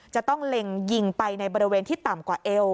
จะต้องเล็งยิงไปในบริเวณที่ต่ำกว่าเอว